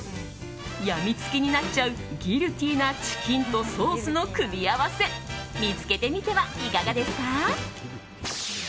病みつきになっちゃうギルティーなチキンとソースの組み合わせ見つけてみてはいかがですか？